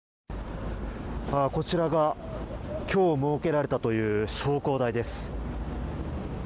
こちらが今日設けられたという焼香台です。